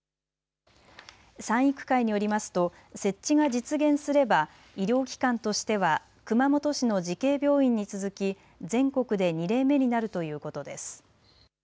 賛育会によりますと設置が実現すれば医療機関としては熊本市の慈恵病院に続き全国で２例目になるということです。